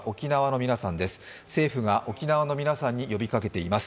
政府が沖縄の皆さんに呼びかけています。